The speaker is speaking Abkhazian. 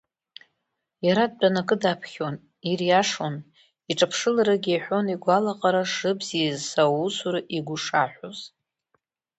Иара дтәаны акы даԥхьон, ириашон, иҿаԥшыларагьы иаҳәон игәалаҟара шыбзиаз аусура игәы шаҳәоз.